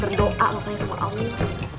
berdoa makanya sama allah